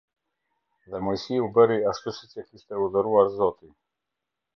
Dhe Moisiu bëri ashtu siç e kishte urdhëruar Zoti.